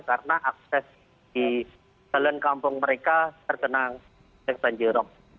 karena akses di selen kampung mereka terkena banji rop